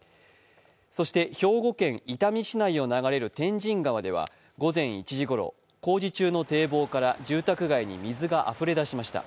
そして、兵庫県伊丹市内を流れる天神川では、午前１時ごろ工事中の堤防から住宅街に水があふれ出しました。